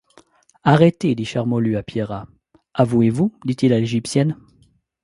Arrêtez, dit Charmolue à Pierrat. — Avouez-vous? dit-il à l’égyptienne.